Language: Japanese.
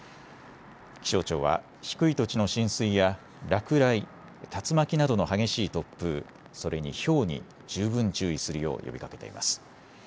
気象庁は低い土地の浸水や落雷、竜巻などの激しい突風、それにひょうに十分注意するよう呼びかけています。